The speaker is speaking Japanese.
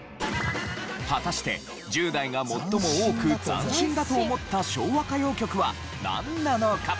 果たして１０代が最も多く斬新だと思った昭和歌謡曲はなんなのか？